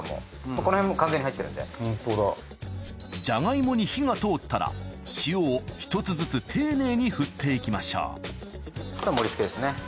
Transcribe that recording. じゃがいもに火が通ったら塩を１つずつ丁寧に振っていきましょう盛り付けですね。